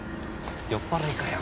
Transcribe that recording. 酔っぱらいかよ。